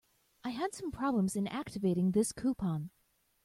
I had some problems in activating this coupon.